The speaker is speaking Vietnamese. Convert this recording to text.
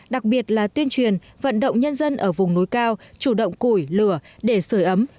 đặc biệt là tuyên truyền vận động nhân dân ở vùng núi cao chủ động củi lửa để sửa ấm